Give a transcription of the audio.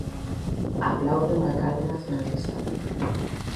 "Aplauden o alcalde nacionalista".